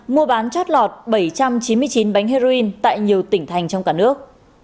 mua bán chót lọt bảy trăm chín mươi chín bánh heroin tại nhiều tỉnh thành trong cả nước